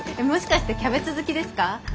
もしかしてキャベツ好きですか？